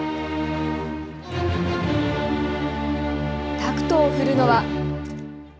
タクトを振るのは。